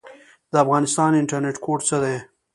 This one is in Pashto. د افغانستان انټرنیټ کوډ څه دی؟